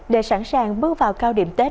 để sẵn sàng bước vào cao điểm tết